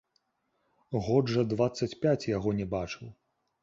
Год жа дваццаць пяць яго не бачыў.